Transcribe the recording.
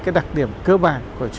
phục vụ truyền thống số quốc gia